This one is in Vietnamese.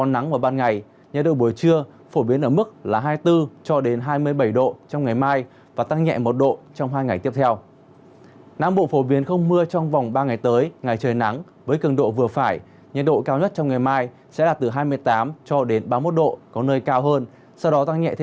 năm bộ phổ biến không mưa trong vòng ba ngày tới ngày trời nắng với cường độ vừa phải nhiệt độ cao nhất trong ngày mai sẽ là từ hai mươi tám cho đến ba mươi một độ có nơi cao hơn sau đó tăng nhẹ thêm một độ trong hai ngày tiếp theo